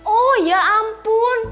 oh ya ampun